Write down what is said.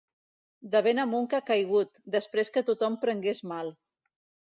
De ben amunt que ha caigut, després que tothom prengués mal.